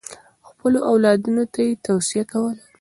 خپلو اولادونو ته یې توصیه کوله.